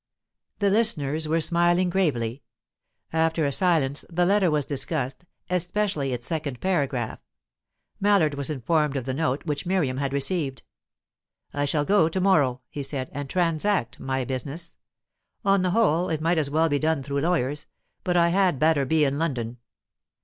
The listeners were smiling gravely. After a silence, the letter was discussed, especially its second paragraph. Mallard was informed of the note which Miriam had received. "I shall go to morrow," he said, "and 'transact my business.' On the whole, it might as well be done through lawyers, but I had better be in London."